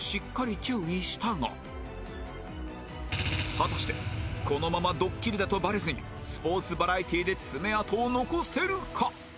果たしてこのままドッキリだとバレずにスポーツバラエティで爪痕を残せるか？